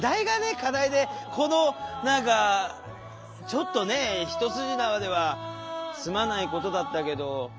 課題でこの何かちょっとね一筋縄では済まないことだったけど。